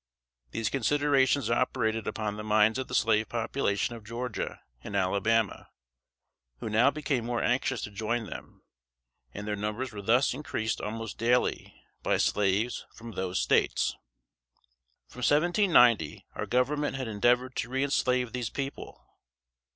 These considerations operated upon the minds of the slave population of Georgia and Alabama, who now became more anxious to join them; and their numbers were thus increased almost daily by slaves from those States. From 1790, our Government had endeavored to reënslave these people.